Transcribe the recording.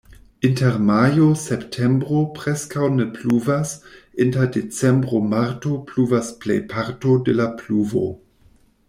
Inter majo-septembro preskaŭ ne pluvas, inter decembro-marto pluvas plejparto de la pluvo.